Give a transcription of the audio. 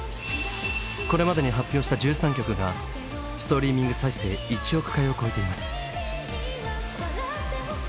これまでに発表した１３曲がストリーミング再生１億回を超えています。